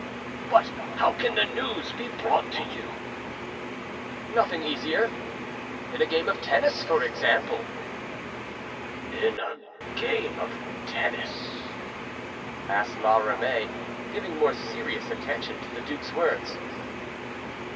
but how can the news be brought to you?" "Nothing easier; in a game of tennis, for example." "In a game of tennis?" asked La Ramee, giving more serious attention to the duke's words.